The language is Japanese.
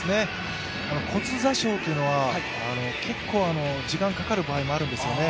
骨挫傷というのは結構時間がかかる場合もあるんですね。